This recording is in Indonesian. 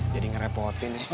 jadi ngerepotin ya